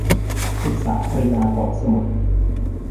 ปรึกษาภรรยาก่อนเสมอ